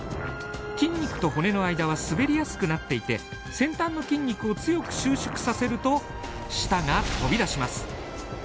筋肉と骨の間は滑りやすくなっていて先端の筋肉を強く収縮させると舌が飛び出します。